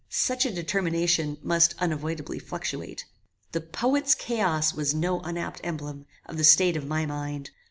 Such a determination must unavoidably fluctuate. The poet's chaos was no unapt emblem of the state of my mind.